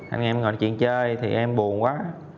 anh em ngồi nói chuyện chơi thì em buồn quá